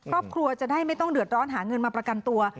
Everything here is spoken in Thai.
ครอบครัวจะได้ไม่ต้องเดือดร้อนหาเงินมาประกันตัว